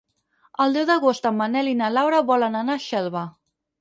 El deu d'agost en Manel i na Laura volen anar a Xelva.